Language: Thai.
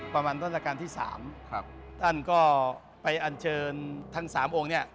ประมาณต้นตรกาลที่๓ท่านก็ไปอัญเชิญทั้ง๓องค์เนี่ย